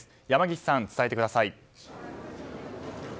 山岸さん、伝えてください。